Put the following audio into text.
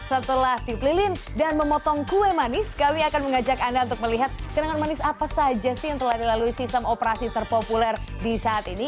setelah dipelilin dan memotong kue manis kami akan mengajak anda untuk melihat kenangan manis apa saja sih yang telah dilalui sistem operasi terpopuler di saat ini